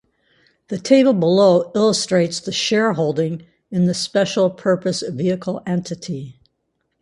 The table below illustrates the shareholding in the special purpose vehicle entity.